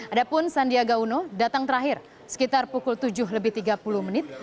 adapun sandiaga uno datang terakhir sekitar pukul tujuh lebih tiga puluh menit